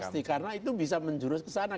pasti karena itu bisa menjurus ke sana